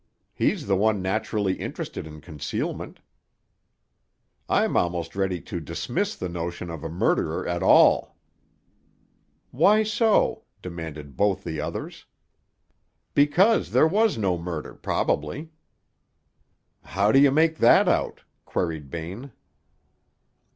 "He's the one naturally interested in concealment." "I'm almost ready to dismiss the notion of a murderer at all." "Why so?" demanded both the others. "Because there was no murder, probably." "How do you make that out?" queried Bain.